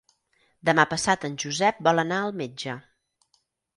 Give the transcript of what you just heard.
Demà passat en Josep vol anar al metge.